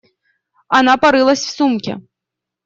Она порылась в сумке.